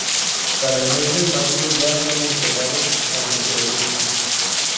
Para el mes de mayo ya habían entregado anteproyecto.